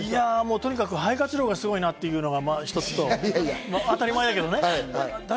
とにかく肺活量がすごいなというのが一つ、当たり前だけどね。